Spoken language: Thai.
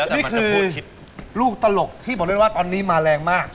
นี่คือลูกตลกที่บอกได้ว่าตอนนี้มาแรงมาก